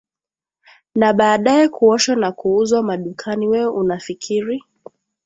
na baadaye kuoshwa na kuuzwa madukani wewe unafikiri